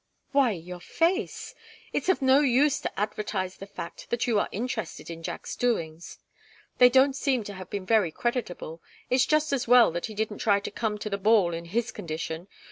"Why your face! It's of no use to advertise the fact that you are interested in Jack's doings. They don't seem to have been very creditable it's just as well that he didn't try to come to the ball in his condition.